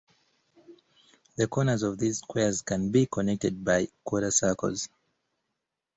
The corners of these squares can be connected by quarter-circles.